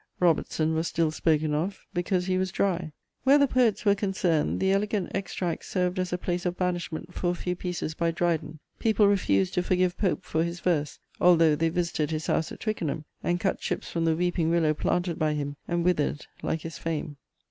Robertson was still spoken of, because he was dry. [Sidenote: English literature.] Where the poets were concerned, the "elegant extracts" served as a place of banishment for a few pieces by Dryden; people refused to forgive Pope for his verse, although they visited his house at Twickenham and cut chips from the weeping willow planted by him and withered like his fame.